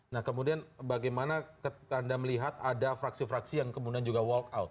nah kemudian bagaimana anda melihat ada fraksi fraksi yang kemudian juga walk out